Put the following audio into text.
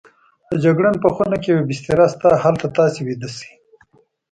د جګړن په خونه کې یوه بستره شته، هلته تاسې ویده شئ.